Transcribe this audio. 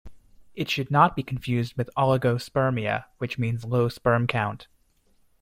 It should not be confused with oligospermia, which means low sperm count.